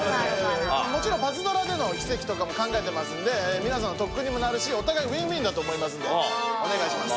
もちろんパズドラでの奇跡とかも考えてますんで皆さんの特訓にもなるしお互いウィンウィンだと思いますのでお願いします。